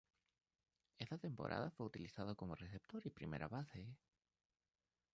Esa temporada, fue utilizado como receptor y primera base.